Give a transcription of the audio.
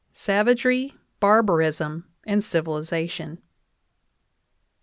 SAVAGERY, BARBARISM, AND CIVILIZATION.